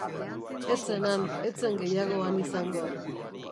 Ez zen han, ez zen gehiago han izango.